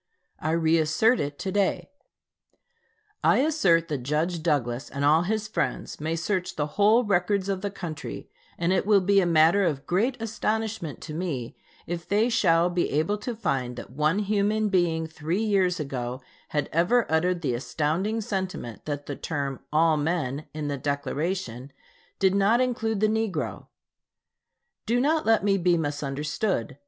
I re assert it to day. I assert that Judge Douglas and all his friends may search the whole records of the country, and it will be a matter of great astonishment to me if they shall be able to find that one human being three years ago had ever uttered the astounding sentiment that the term "all men" in the Declaration did not include the negro. Do not let me be misunderstood.